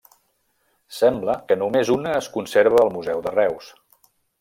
Sembla que només una es conserva al Museu de Reus.